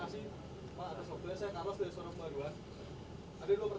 prabo pak rabo dalam waktu dekat